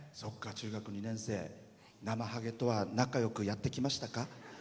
ナマハゲとは仲よくやってきましたか？